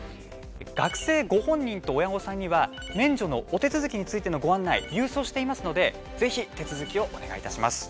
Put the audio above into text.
学生ご本人と親御さんには免除のお手続きについてのご案内、郵送していますのでぜひ手続きをお願いいたします。